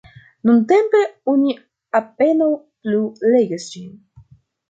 Nuntempe oni apenaŭ plu legas ĝin.